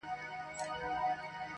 یو انار او سل بیمار -